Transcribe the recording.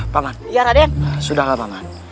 paman sudah gak paman